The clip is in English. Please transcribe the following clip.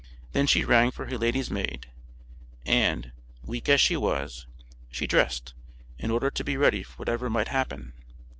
Then she rang for her lady's maid, and, weak as she was, she dressed, in order to be ready for whatever might happen.